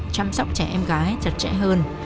chăm sóc trẻ em gái chặt chẽ hơn